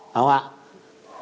đúng không ạ